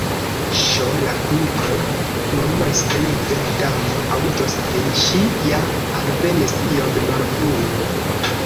"Ŝ—!" la Kuniklo murmuris denove "la Damo aŭdos vin. Ŝi ja alvenis iom malfrue.